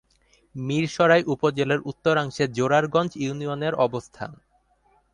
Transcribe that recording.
মীরসরাই উপজেলার উত্তরাংশে জোরারগঞ্জ ইউনিয়নের অবস্থান।